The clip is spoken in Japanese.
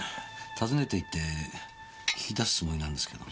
訪ねていって聞き出すつもりなんですけど。